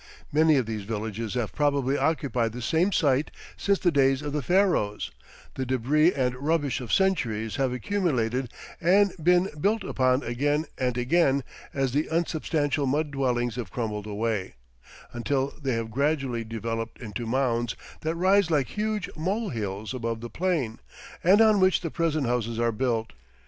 Many of these villages have probably occupied the same site since the days of the Pharaohs, the debris and rubbish of centuries have accumulated and been built upon again and again as the unsubstantial mud dwellings have crumbled away, until they have gradually developed into mounds that rise like huge mole hills above the plain, and on which the present houses are built.